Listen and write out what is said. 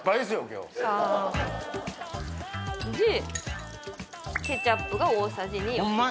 今日でケチャップが大さじ２ホンマ？